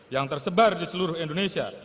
yang tersebar di seluruh indonesia